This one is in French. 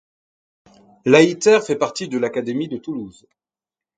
Lahitère fait partie de l'académie de Toulouse.